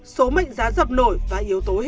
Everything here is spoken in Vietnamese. số mệnh giá dập nổi và yếu tố hình ẩn